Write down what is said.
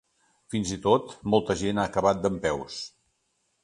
Fins i tot, molta gent ha acabat dempeus.